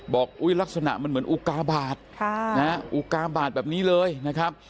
อุ๊ยลักษณะมันเหมือนอุกาบาทอุกาบาทแบบนี้เลยนะครับ